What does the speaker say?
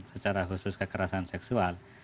secara khusus kekerasan seksual